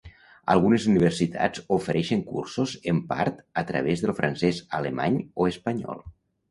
Algunes universitats ofereixen cursos en part a través del francès, alemany o espanyol.